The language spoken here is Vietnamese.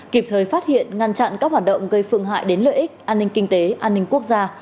kịp thời phát hiện ngăn chặn các hoạt động gây phương hại đến lợi ích an ninh kinh tế an ninh quốc gia